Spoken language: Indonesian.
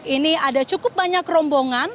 ini ada cukup banyak rombongan